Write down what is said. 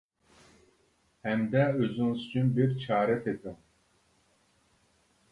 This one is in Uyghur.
ھەمدە ئۆزىڭىز ئۈچۈن بىر چارە تېپىڭ.